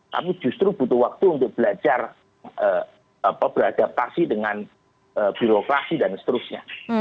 tapi justru butuh waktu untuk belajar beradaptasi dengan birokrasi dan seterusnya